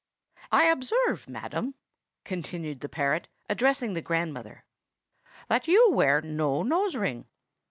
"I observe, madam," continued the parrot, addressing the grandmother, "that you wear no nose ring.